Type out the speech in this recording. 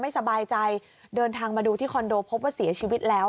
สบายใจเดินทางมาดูที่คอนโดพบว่าเสียชีวิตแล้ว